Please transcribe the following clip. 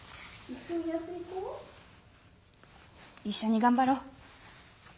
「一緒に頑張ろう」。